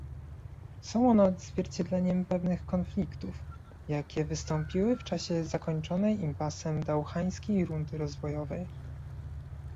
Są one odzwierciedleniem pewnych konfliktów, jakie wystąpiły w czasie zakończonej impasem dauhańskiej rundy rozwojowej